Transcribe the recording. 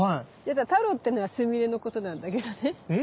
太郎ってのはスミレのことなんだけどね。